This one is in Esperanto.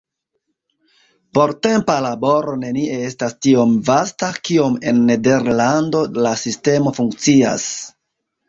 Portempa laboro nenie estas tiom vasta, kiom en Nederlando la sistemo funkcias.